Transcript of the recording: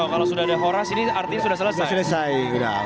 kalau sudah ada horas artinya sudah selesai